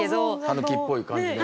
タヌキっぽい感じの。